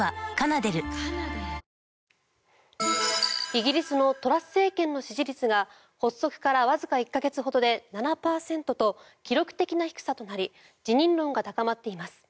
イギリスのトラス政権の支持率が発足からわずか１か月ほどで７％と記録的な低さとなり辞任論が高まっています。